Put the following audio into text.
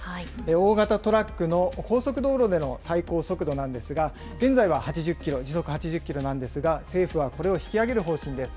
大型トラックの高速道路での最高速度なんですが、現在は８０キロ、時速８０キロなんですが、政府はこれを引き上げる方針です。